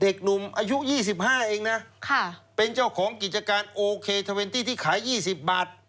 เด็กหนุ่มอายุยี่สิบห้าเองนะค่ะเป็นเจ้าของกิจการโอเคเทอร์เวนตี้ที่ขายยี่สิบบาท